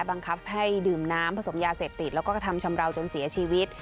บังคับให้ดื่มน้ำผสมยาเสพติดแล้วก็กระทำชำราวจนเสียชีวิต